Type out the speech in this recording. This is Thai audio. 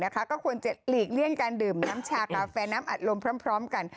ก็ควรจะหลีกเลี่ยงการดื่มน้ำชากาแฟน้ำอัดลมพร้อมกัน